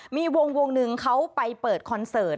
มีวงนึงเขาไปเปิดคอนเศรษฐ์